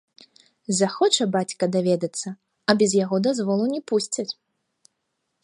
Захоча бацькі даведацца, а без яго дазволу не пусцяць.